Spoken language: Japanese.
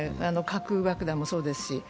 核爆弾もそうですし。